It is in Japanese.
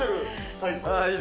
最高。